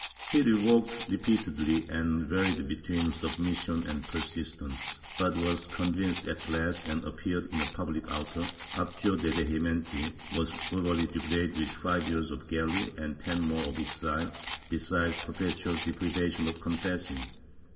He revoked repeatedly and varied between submission and persistence, but was convinced at last and appeared in a public auto, abjured de vehementi, was verbally degraded with five years of galleys and ten more of exile, besides perpetual deprivation of confessing.